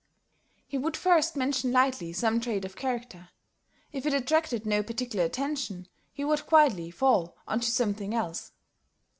He would first mention lightly some trait of character. If it attracted no particular attention, he would quietly fall on to something else.